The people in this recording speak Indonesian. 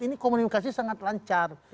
ini komunikasi sangat lancar